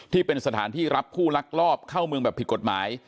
ที่เป็นสถานที่รับผู้ลักลอบเข้าเมืองแบบผิดกฎหมาย